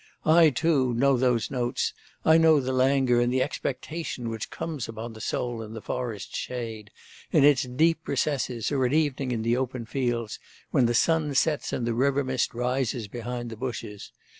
'I, too, know those notes, I know the languor and the expectation which come upon the soul in the forest's shade, in its deep recesses, or at evening in the open fields when the sun sets and the river mist rises behind the bushes.